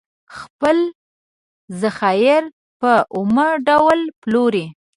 خپل ذخایر په اومه ډول پلوري.